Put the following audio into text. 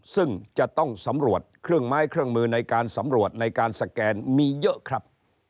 ซึ่งจะต้องสำรวจเครื่องไม้เครื่องมือในการสำรวจในการสแกนมีเยอะครับ